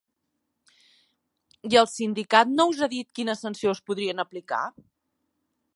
I el sindicat no us ha dit quina sanció us podrien aplicar?